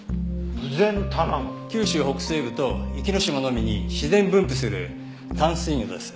九州北西部と壱岐島のみに自然分布する淡水魚です。